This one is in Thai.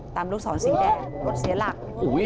ลูกศรสีแดงรถเสียหลัก